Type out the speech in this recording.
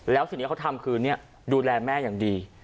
แล้วสิ่งที่เขาทำคือดูแลแม่อย่างดี